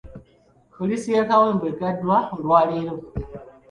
Poliisi y'e Kawempe eggaddwa olwaleero.